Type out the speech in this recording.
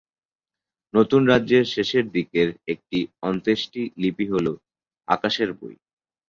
নতুন রাজ্যের শেষের দিকের একটি অন্ত্যেষ্টি লিপি হল আকাশের বই।